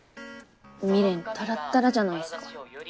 未練タラッタラじゃないっすか。